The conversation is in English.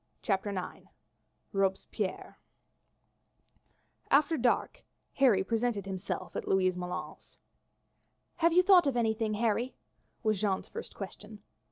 CHAPTER IX Robespierre After dark Harry presented himself at Louise Moulin's. "Have you thought of anything, Harry?" was Jeanne's first question.